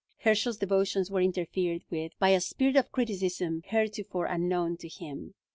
Herschel's devotions were interfered with by a spirit of criticism heretofore unknown to him.